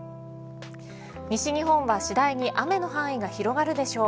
西日本は次第に雨の範囲が広がるでしょう。